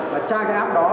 và tra cái app đó